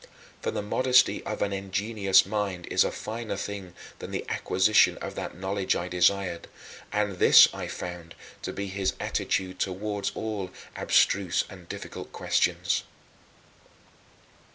For the modesty of an ingenious mind is a finer thing than the acquisition of that knowledge I desired; and this I found to be his attitude toward all abstruse and difficult questions.